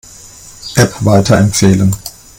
App weiterempfehlen.